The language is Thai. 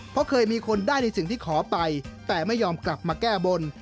เพราะเคยมีคนได้ในสิ่งที่ขอไปแต่ไม่ยอมกลับมาแก้บน